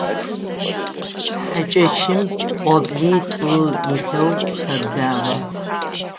Хьакӏэщым пӏоблитӏу илъэу хэбзагъэ.